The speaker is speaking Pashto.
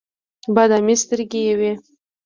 بادامي سترګې یې وې.